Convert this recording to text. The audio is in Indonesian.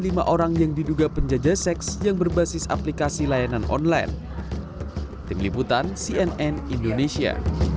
lima orang yang diduga penjajah seks yang berbasis aplikasi layanan online tim liputan cnn indonesia